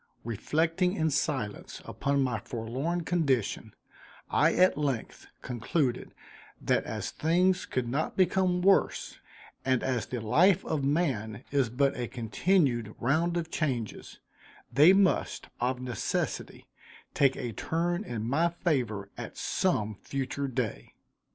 Reflecting in silence upon my forlorn condition, I at length concluded that as things could not become worse and as the life of man is but a continued round of changes, they must, of necessity, take a turn in my favor at some future day.